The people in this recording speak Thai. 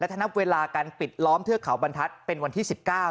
ถ้านับเวลาการปิดล้อมเทือกเขาบรรทัศน์เป็นวันที่๑๙